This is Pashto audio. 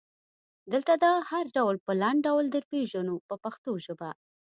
دلته دا هر ډول په لنډ ډول درپېژنو په پښتو ژبه.